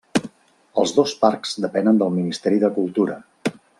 Els dos parcs depenen del Ministeri de Cultura.